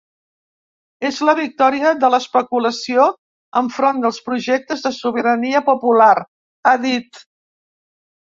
És la victòria de l’especulació enfront dels projectes de sobirania popular, ha dit.